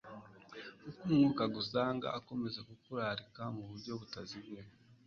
uko Mwuka agusanga akomeza kukurarika mu buryo butaziguye,